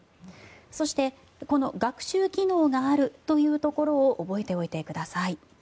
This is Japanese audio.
そしてこの学習機能があるというところを覚えておいてください。